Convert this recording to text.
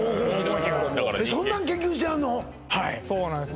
へえそうなんです